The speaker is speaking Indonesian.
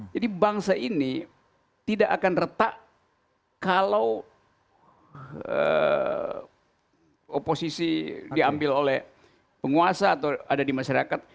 jadi bangsa ini tidak akan retak kalau oposisi diambil oleh penguasa atau ada di masyarakat